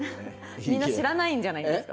みんな知らないんじゃないですか？